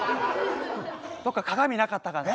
どっか鏡なかったかな。